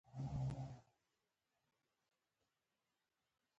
ډاکټران د غوايي غوښه خوري چې پيريان يې بد ګڼي